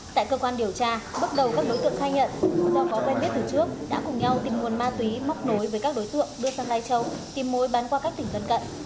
tại cơ quan điều tra bước đầu các đối tượng khai nhận do có quen biết từ trước đã cùng nhau tìm nguồn ma túy móc nối với các đối tượng đưa sang lai châu tìm mối bán qua các tỉnh lân cận